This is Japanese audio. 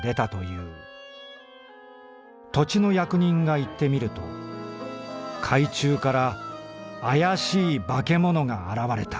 土地の役人が行ってみると海中から怪しい化け物が現れた。